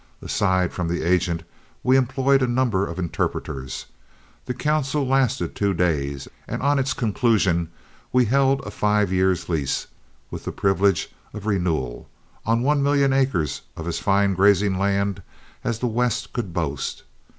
Aside from the agent, we employed a number of interpreters; the council lasted two days, and on its conclusion we held a five years' lease, with the privilege of renewal, on a million acres of as fine grazing land as the West could boast.